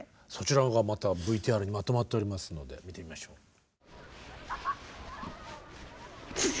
そちらがまたＶＴＲにまとまっておりますので見てみましょう。